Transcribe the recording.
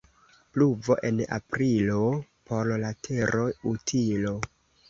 Pluvo en Aprilo — por la tero utilo.